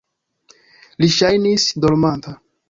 Li ŝajnis dormanta.